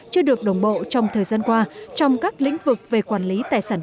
chưa được đồng bộ trong thời gian qua trong các lĩnh vực về quản lý tài sản công